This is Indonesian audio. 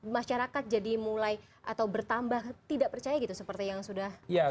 masyarakat jadi mulai atau bertambah tidak percaya gitu seperti yang sudah terjadi saat ini